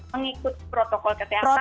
mengikuti protokol kesehatan